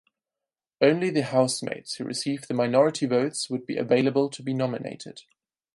Only the housemates who received the minority votes would be available to be nominated.